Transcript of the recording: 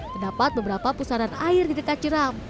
terdapat beberapa pusaran air di dekat jeram